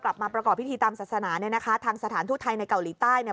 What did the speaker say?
กลับมาประกอบพิธีตามศาสนานะคะทางสถานทุทธัยในเกาหลีใต้